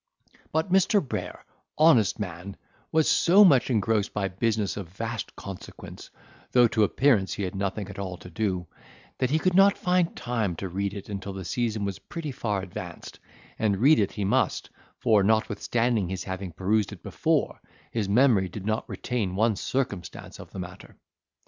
But Mr. Brayer, honest man, was so much engrossed by business of vast consequence, though to appearance he had nothing at all to do, that he could not find time to read it until the season was pretty far advanced; and read it he must, for notwithstanding his having perused it before, his memory did not retain one circumstance of the matter.